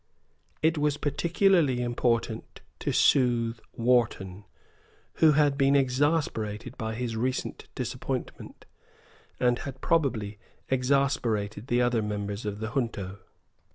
It was particularly important to soothe Wharton, who had been exasperated by his recent disappointment, and had probably exasperated the other members of the junto.